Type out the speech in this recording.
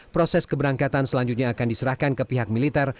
proses keberangkatan selanjutnya akan diserahkan ke pihak militer